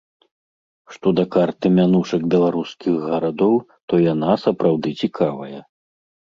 Што да карты мянушак беларускіх гарадоў, то яна сапраўды цікавая.